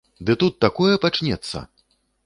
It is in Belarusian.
Ды тут такое пачнецца!